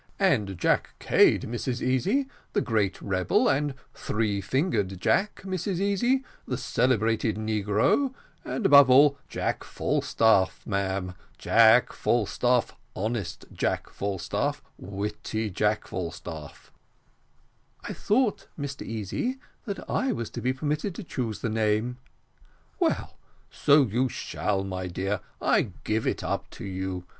"And Jack Cade, Mrs Easy, the great rebel and three fingered Jack, Mrs Easy, the celebrated negro and, above all, Jack Falstaff, ma'am, Jack Falstaff honest Jack Falstaff witty Jack Falstaff " "I thought, Mr Easy, that I was to be permitted to choose the name." "Well, so you shall, my dear; I give it up to you.